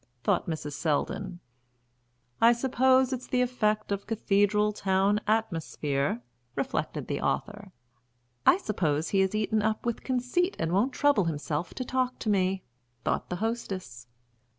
thought Mrs. Selldon. "I suppose it's the effect of cathedral town atmosphere," reflected the author. "I suppose he is eaten up with conceit and won't trouble himself to talk to me," thought the hostess.